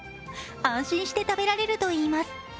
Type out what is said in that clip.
安心して食べられるといいます。